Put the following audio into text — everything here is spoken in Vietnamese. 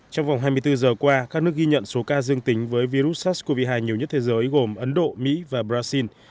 trong vòng hai mươi bốn giờ qua các nước ghi nhận số ca dương tính với virus sars cov hai nhiều nhất thế giới gồm ấn độ mỹ và brazil